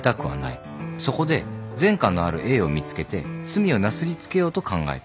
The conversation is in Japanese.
そこで前科のあるＡを見つけて罪をなすり付けようと考えた。